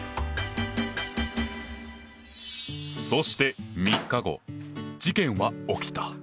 そして３日後事件は起きた。